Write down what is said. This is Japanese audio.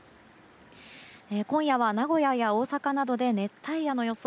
今夜は名古屋や大阪などで熱帯夜の予想。